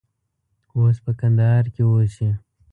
اوس په کندهار کې اوسي.